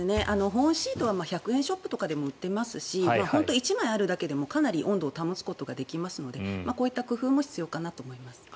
保温シートは１００円ショップでも売ってますし本当に１枚あるだけでも温度を保つことができますのでこういった工夫も必要かと思います。